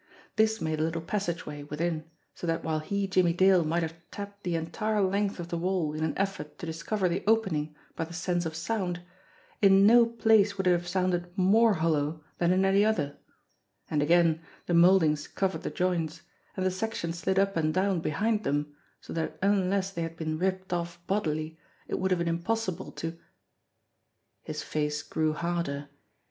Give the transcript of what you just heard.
This made a little passageway within, so that while he, Jimmie Dale, might have tapped the entire length of the wall in an effort to discover the opening by the sense of sound, in no place would it have sounded more hollow than in any other; and, again, the mouldings covered the joints, and the section slid up and down behind them, so that unless they had been ripped off bodily it would have been impossible to His face grew harder.